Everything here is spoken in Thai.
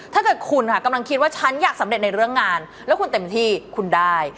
ถ้าเกิดคุณค่ะกำลังคิดว่าฉันอยากสำเร็จในเรื่องงานแล้วคุณเต็มที่คุณได้